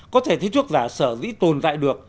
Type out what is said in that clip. có thể thấy thuốc giả sở dĩ tồn tại được